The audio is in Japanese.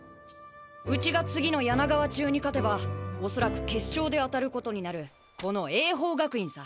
うちが次の柳川中に勝てば恐らく決勝であたることになるこの英邦学院さ。